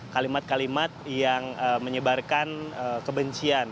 kalimat kalimat yang menyebarkan kebencian